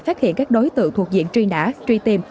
phát hiện các đối tượng thuộc diện truy nã truy tìm